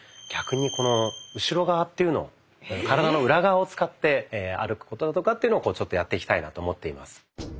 逆に後ろ側というのを。ええ⁉体の裏側を使って歩くことだとかっていうのをちょっとやっていきたいなと思っています。